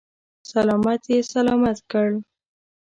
سلامت یې سلامت کړ.